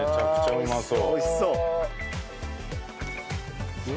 うまそう！